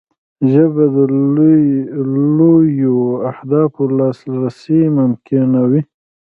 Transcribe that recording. ژبه د لویو اهدافو لاسرسی ممکنوي